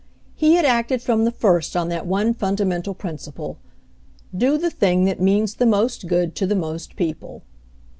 He had acted from the first on that one funda mental principle, "Do the thing that means the \ most good to the most people."